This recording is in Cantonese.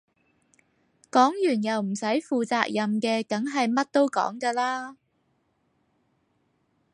講完又唔使負責嘅梗係乜都講㗎啦